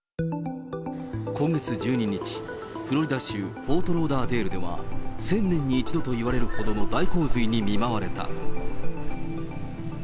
今月１２日、フロリダ州フォートローダーデールでは、１０００年に一度といわれるほどの大洪水に見舞われた。